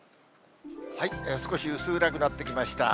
少し薄暗くなってきました。